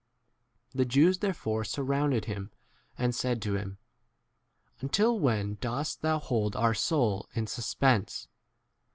The Jews therefore surrounded him, and said to him, Until when dost thou hold our soul in suspense